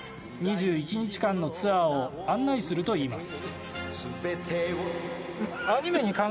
２１日間のツアーを案内するといいます。